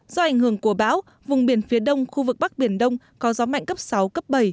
do ảnh hưởng của bão vùng biển phía đông khu vực bắc biển đông có gió mạnh cấp sáu cấp bảy